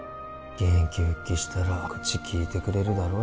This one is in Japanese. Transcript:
現役復帰したら口きいてくれるだろ